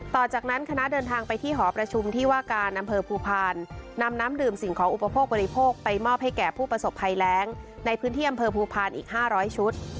ต่อจากนั้นคณะเดินทางไปที่หอประชุมที่ว่าการอำเภอภูพาลนำน้ำดื่มสิ่งของอุปโภคบริโภคไปมอบให้แก่ผู้ประสบภัยแรงในพื้นที่อำเภอภูพาลอีก๕๐๐ชุด